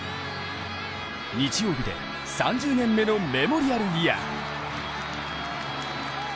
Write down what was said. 日曜日で３０年目のメモリアルイヤー。